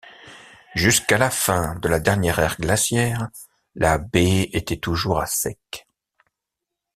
Jusqu'à la fin de la dernière ère glaciaire, la baie était toujours à sec.